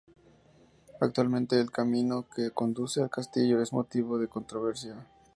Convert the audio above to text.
Actualmente el camino que conduce al castillo es motivo de controversia.